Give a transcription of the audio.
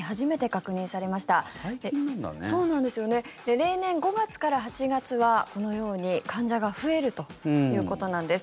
例年、５月から８月はこのように患者が増えるということなんです。